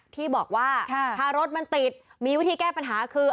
ที่บอกว่าถ้ารถมันติดมีวิธีแก้ปัญหาคือ